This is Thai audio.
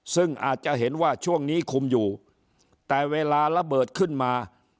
ซึ่งอาจจะเห็นว่าช่วงนี้คุมอยู่แต่เวลาระเบิดขึ้นมา